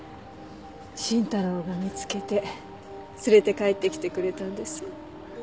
伸太郎が見つけて連れて帰ってきてくれたんです。